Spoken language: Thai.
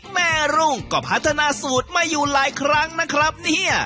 แม่รุ่งก็พัฒนาสูตรมาอยู่หลายครั้งนะครับเนี่ย